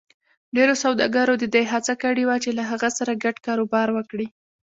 ډېرو سوداګرو د دې هڅه کړې وه چې له هغه سره ګډ کاروبار وکړي.